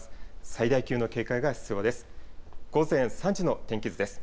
最大級の警戒が必要です。